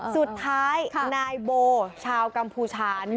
สุดท้ายนายโบชาวกัมพูชา